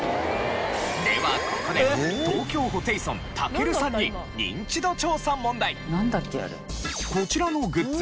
ではここで東京ホテイソンたけるさんにこちらのグッズ